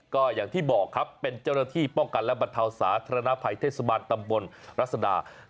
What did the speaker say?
ก็อย่างที่บอกครับเป็นเจ้าหน้าที่ป้องกันและบรรเทาสาธารณภัยเทศบาลตำบลรัศดา